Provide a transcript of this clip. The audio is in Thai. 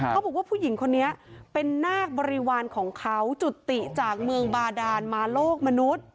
ผู้หญิงคนนี้เป็นนาคบริวารของเขาจุติจากเมืองบาดานมาโลกมนุษย์